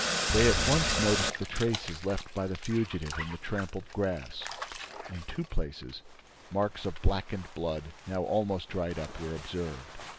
They at once noticed the traces left by the fugitive in the trampled grass. In two places, marks of blackened blood, now almost dried up, were observed.